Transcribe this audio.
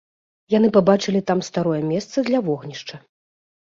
Яны пабачылі там старое месца для вогнішча.